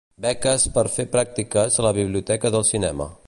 Beques per fer pràctiques a la Biblioteca del Cinema.